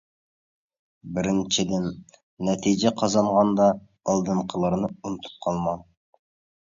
بىرىنچىدىن، نەتىجە قازانغاندا، ئالدىنقىلارنى ئۇنتۇپ قالماڭ.